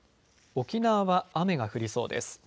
沖縄は雨が降りそうです。